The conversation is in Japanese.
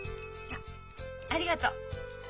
あっありがとう。